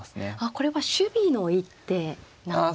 これは守備の一手なんですね。